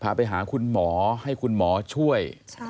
พาไปหาคุณหมอให้คุณหมอช่วย